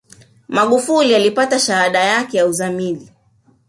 magufuli alijipatia shahada yake ya uzamili